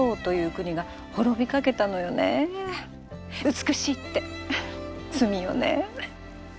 美しいって罪よね。